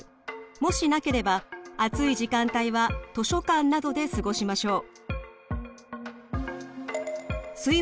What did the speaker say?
もしなければ暑い時間帯は図書館などで過ごしましょう。